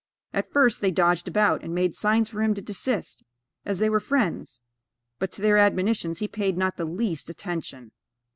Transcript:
At first they dodged about, and made signs for him to desist, as they were friends; but, to their admonitions he paid not the least attention.